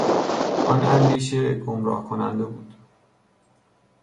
آن اندیشه گمراه کننده بود.